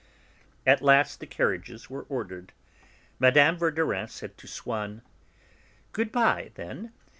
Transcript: At last the carriages were ordered. Mme. Verdurin said to Swann: "Good bye, then.